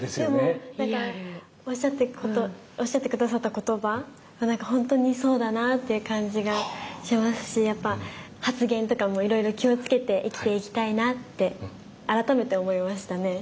でもなんかおっしゃって下さった言葉は本当にそうだなという感じがしますしやっぱ発言とかもいろいろ気をつけて生きていきたいなって改めて思いましたね。